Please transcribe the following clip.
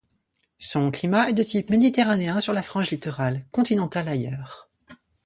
Son climat est de type méditerranéen sur la frange littorale, continental ailleurs.